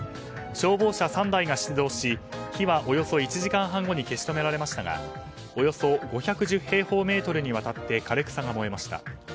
消防車３台が出動し火はおよそ１時間半後に消し止められましたがおよそ５１０平方メートルにわたって枯れ草が燃えました。